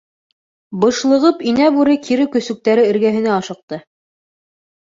Бышлығып, Инә Бүре кире көсөктәре эргәһенә ашыҡты.